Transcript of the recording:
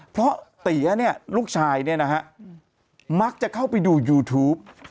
เพราะเตี๋ยเนี่ยลูกชายเนี่ยนะฮะมักจะเข้าไปดูยูทูป